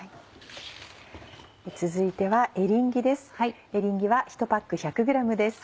続いてはエリンギです。